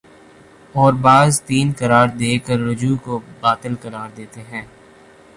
اور بعض تین قرار دے کررجوع کو باطل قرار دیتے ہیں